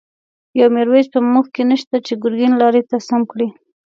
یو«میرویس» په مونږ کی نشته، چه گرگین لاری ته سم کړی